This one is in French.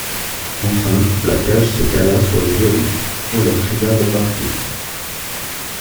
Enfin, la cage se cala sur les verrous, on leur cria d'embarquer.